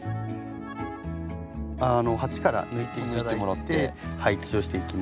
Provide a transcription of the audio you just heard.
鉢から抜いて頂いて配置をしていきましょう。